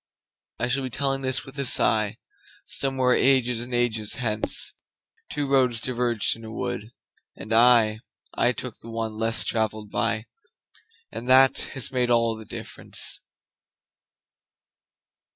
I shall be telling this with a sighSomewhere ages and ages hence:Two roads diverged in a wood, and I—I took the one less traveled by, And that has made all the difference.